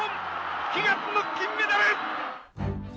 悲願の金メダル。